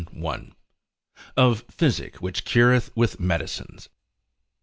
—Of Physic which cureth with Medicines.